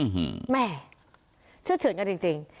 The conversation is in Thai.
แม่เชื่อเฉือนกันจริง